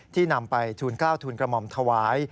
ที่นำไปทุน๙ทุนกระหม่อมถวาย